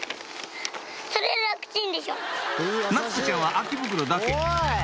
夏子ちゃんは空き袋だけおい！